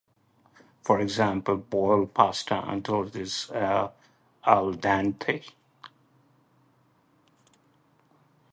For example, "Boil the pasta until it is al dente."